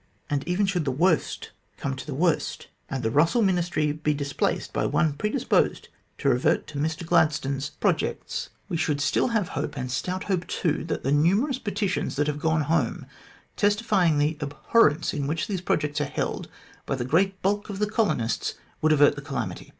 " And even should the worst come to the worst, and the Russell Ministry be displaced by one predisposed to revert to Mr Glad THE VETO OF EARL GREY 57 stone's projects, we should still have hope, and stout hope too, that the numerous petitions that have gone home, testifying the abhorrence in which those projects are held by the great bulk of the colonists, would avert the calamity.